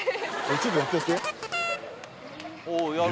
ちょっとやってやっていける？